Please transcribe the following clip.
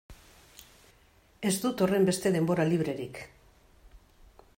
Ez dut horrenbeste denbora librerik.